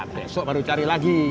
besok baru cari lagi